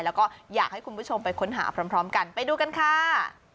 แล้วก็อยากให้คุณผู้ชมไปค้นหาพร้อมกันไปดูกันค่ะ